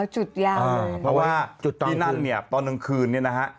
จุดยาวเพราะว่าจุดที่นั่งเนี่ยตอนกลางคืนเนี่ยนะฮะ